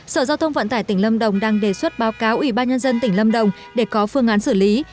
sở giao thông vận tải tỉnh lâm đồng đang đề xuất báo cáo ủy ban nhân dân tỉnh lâm đồng để có phương án xử lý